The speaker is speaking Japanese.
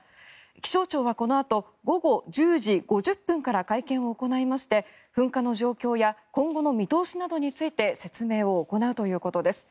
気象庁はこのあと午後１０時５０分から会見を行いまして噴火の状況や今後の見通しなどについて説明を行うということです。